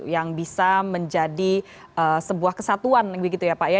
yang bisa menjadi sebuah kesatuan begitu ya pak ya